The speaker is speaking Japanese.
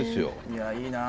「いやいいな！